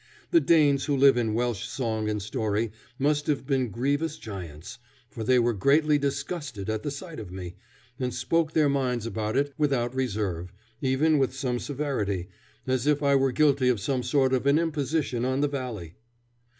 The Danes who live in Welsh song and story must have been grievous giants, for they were greatly disgusted at sight of me, and spoke their minds about it without reserve, even with some severity, as if I were guilty of some sort of an imposition on the valley.